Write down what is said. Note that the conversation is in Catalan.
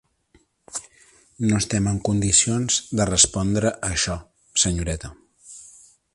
No estem en condicions de respondre a això, senyoreta.